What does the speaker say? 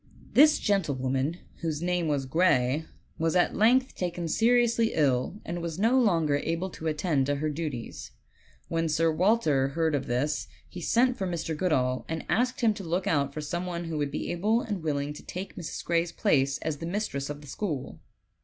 This gentlewoman, whose name was Gray, was at length taken seriously ill, and was no longer able to attend to her duties. When Sir Walter heard of this he sent for Mr. Goodall and asked him to look out for some one who would be able and willing to take Mrs. Gray's place as mistress of the school.